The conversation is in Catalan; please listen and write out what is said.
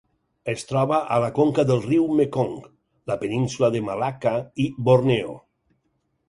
Es troba a la conca del riu Mekong, la Península de Malacca i Borneo.